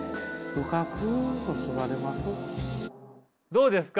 どうですか？